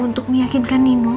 untuk meyakinkan nino